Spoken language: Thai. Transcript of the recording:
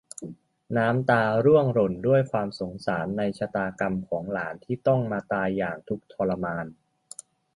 น้ำตาร่วงหล่นด้วยความสงสารในชะตากรรมของหลานที่ต้องมาตายอย่างทุกข์ทรมาน